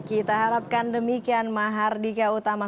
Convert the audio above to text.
kita harapkan demikian mahardika utama